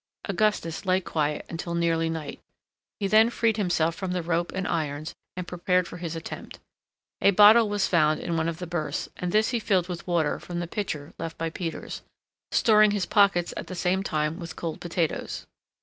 Augustus lay quiet until nearly night. He then freed himself from the rope and irons, and prepared for his attempt. A bottle was found in one of the berths, and this he filled with water from the pitcher left by Peters, storing his pockets at the same time with cold potatoes.